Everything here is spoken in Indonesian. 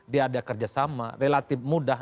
diada kerjasama relatif mudah